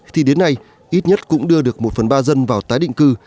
thì đến nay ít nhất cũng đưa được một phần ba dân vào tái định cư